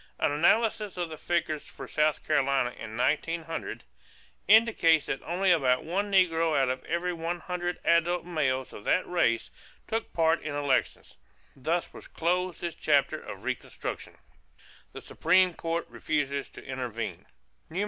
An analysis of the figures for South Carolina in 1900 indicates that only about one negro out of every hundred adult males of that race took part in elections. Thus was closed this chapter of reconstruction. =The Supreme Court Refuses to Intervene.